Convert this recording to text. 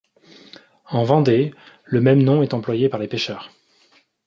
En Vendée, le même nom est employé par les pêcheurs.